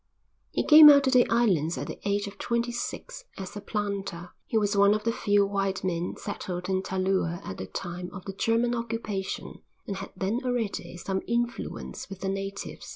He came out to the islands at the age of twenty six as a planter. He was one of the few white men settled in Talua at the time of the German occupation and had then already some influence with the natives.